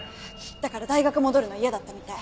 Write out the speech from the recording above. だから大学戻るの嫌だったみたい。